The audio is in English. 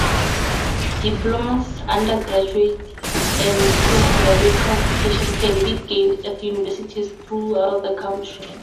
Diplomas, undergraduate and postgraduate qualifications can be gained at universities throughout the country.